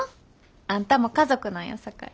あんたも家族なんやさかい。